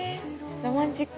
ロマンチック。